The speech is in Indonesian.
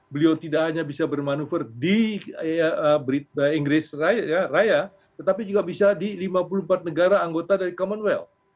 beliau tidak hanya bisa bermanuver di inggris raya tetapi juga bisa di lima puluh empat negara anggota dari commonwealth